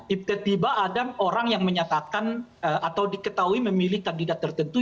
tiba tiba ada orang yang menyatakan atau diketahui memilih kandidat tertentu